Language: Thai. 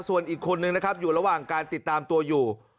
ส่วนอีกคนนึงนะครับอยู่ระหว่างการติดตามตัวอยู่